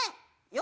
よ